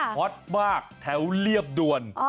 ฮอตมากแถวเรียบด่วน